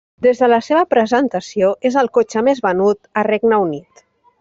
Des de la seva presentació, és el cotxe més venut a Regne Unit.